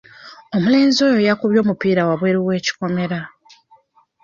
Omulenzi oyo yakubye omupiira wabweru w'ekikomera.